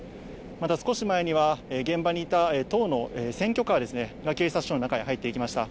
また少し前には、現場にいた党の選挙カーが警察署の中に入っていきました。